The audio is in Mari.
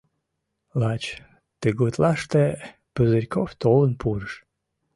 Лач тыгутлаште Пузырьков толын пурыш.